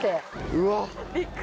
うわっ！